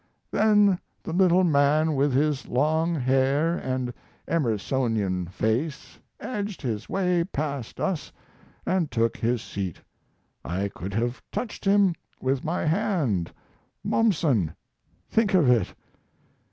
Then the little man with his long hair and Emersonian face edged his way past us and took his seat. I could have touched him with my hand Mommsen! think of it!